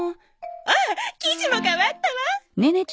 ああ生地も変わったわ！